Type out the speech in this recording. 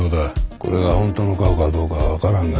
これが本当の顔かどうか分からんが。